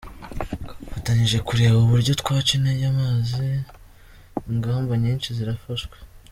twafatanyije kureba uburyo twaca intege amazi, ingamba nyinshi zirafashwe.